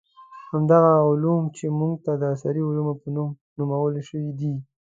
همدغه علوم چې موږ ته د عصري علومو په نوم نومول شوي دي.